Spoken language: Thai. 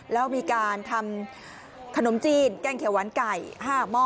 แล้วมีการทำขนมจีนแกงเขียวหวานไก่๕หม้อ